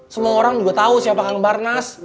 semua orang juga tahu siapa kang barnas